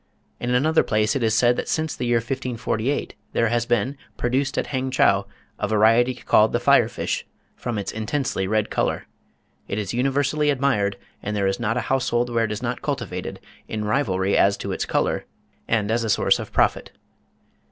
In another place it is said that since the year 1548 there has been "produced at Hangchow a variety called the fire fish, from its intensely red colour. It is universally admired, and there is not a household where it is not cultivated, IN RIVALRY AS TO ITS COLOUR, and as a source of profit.")